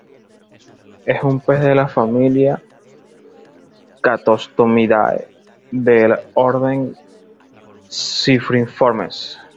Es un pez de la familia Catostomidae del orden Cypriniformes.